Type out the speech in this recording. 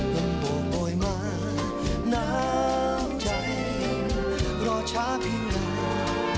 หลังโปรดโอ้ยมาน้ำใจรอช้าเพียงหนา